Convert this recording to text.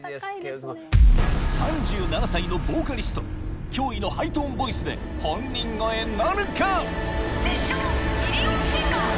３７歳のボーカリスト驚異のハイトーンボイスで本人超えなるか？